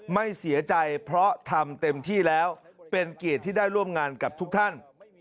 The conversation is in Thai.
ไม่เสียใจเพราะทำเต็มที่แล้วเป็นเกียรติที่ได้ร่วมงานกับทุกท่าน